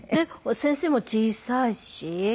先生も小さいし。